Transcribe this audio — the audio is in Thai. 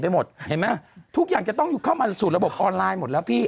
หมดเห็นไหมทุกอย่างจะต้องเข้ามาสู่ระบบออนไลน์หมดแล้วพี่